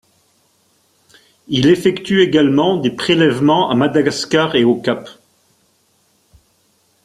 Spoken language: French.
Il effectue également des prélèvements à Madagascar et au Cap.